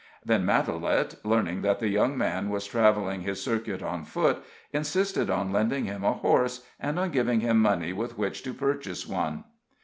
Then Matalette, learning that the young man was traveling his circuit on foot, insisted on lending him a horse, and on giving him money with which to purchase one.